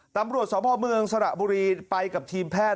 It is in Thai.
ตำรวจสพเมืองสระบุรีไปกับทีมแพทย์